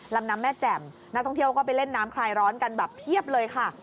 ลำน้ำแม่แจ่มนักท่องเที่ยวก็ไปเล่นน้ำคลายร้อนกันแบบเพียบเลยค่ะ